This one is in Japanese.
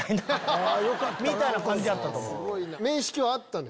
みたいな感じやったと思う。